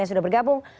yang sudah bergabung